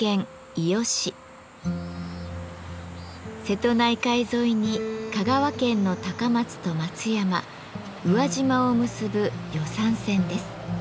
瀬戸内海沿いに香川県の高松と松山宇和島を結ぶ予讃線です。